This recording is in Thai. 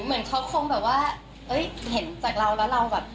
เหมือนเขาคงแบบว่าเห็นจากเราแล้วเราแบบ